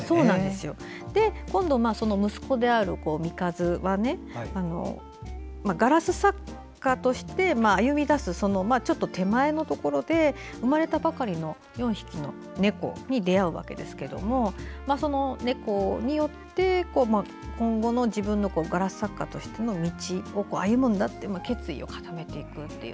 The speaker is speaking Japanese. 今度、息子であるミカズはガラス作家として歩み出すちょっと手前のところで生まれたばかりの４匹の猫に出会うんですが猫によって今後の自分のガラス作家としての道を歩むんだという決意を固めていくという。